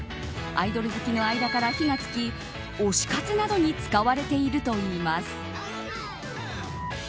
アイドル好きの間から火がつき推し活などに使われているといいます。